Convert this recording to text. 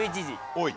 おい！